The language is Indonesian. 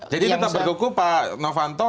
jadi tetap berduku pak novanto